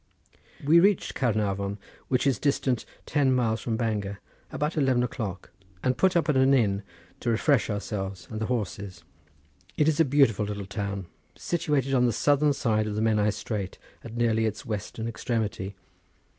We reached Caernarvon, which is distant ten miles from Bangor, about eleven o'clock, and put up at an inn to refresh ourselves and the horses. It is a beautiful little town situated on the southern side of the Menai Strait at nearly its western extremity.